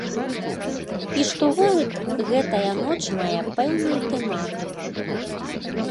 І штогод гэтая ноч мае пэўную тэматыку.